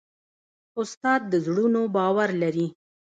استاد د زړونو باور لري.